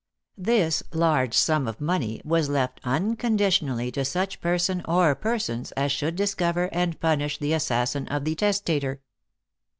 This large sum of money was left unconditionally to such person or persons as should discover and punish the assassin of the testator.